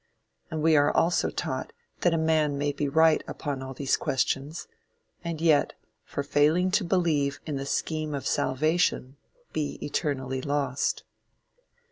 And we are also taught that a man may be right upon all these questions, and yet, for failing to believe in the "scheme of salvation," be eternally lost.